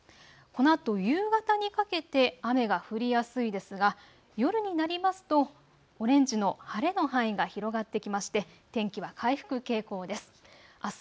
このあと夕方にかけて雨が降りやすいですが、夜になりますとオレンジの晴れの範囲が広がってきまして天気は回復傾向です。